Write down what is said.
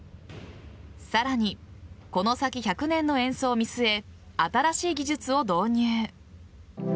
さらにこの先１００年の演奏を見据え新しい技術を導入。